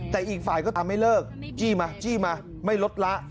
แต่อีกฝ่ายก็ตามไม่เลิกจี้มาจี้มาไม่ลดละ